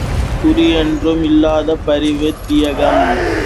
குறியொன்றும் இல்லாத பரிவு தியாகம்.